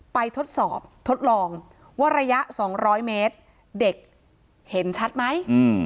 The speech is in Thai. ทดสอบทดลองว่าระยะ๒๐๐เมตรเด็กเห็นชัดไหม